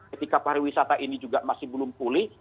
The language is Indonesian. ketika pariwisata ini juga masih belum pulih